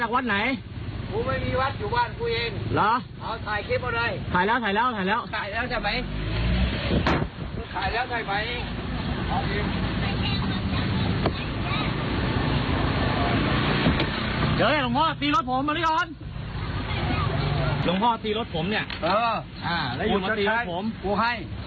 หลวงพ่อตีรถผมเนี่ยคุณมาตีรถผมเออคุณชดใช้ผมให้